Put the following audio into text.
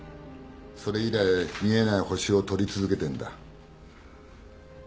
それ以来見えない星を撮り続けてんだ。